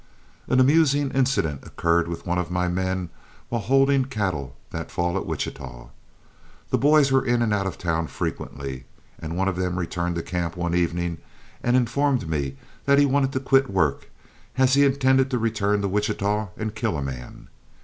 An amusing incident occurred with one of my men while holding cattle that fall at Wichita. The boys were in and out of town frequently, and one of them returned to camp one evening and informed me that he wanted to quit work, as he intended to return to Wichita and kill a man.